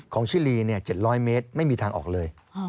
ชิลี๗๐๐เมตรไม่มีทางออกเลย